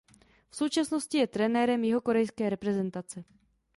V současnosti je trenérem jihokorejské reprezentace.